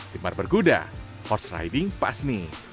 timar berkuda horse riding pas nih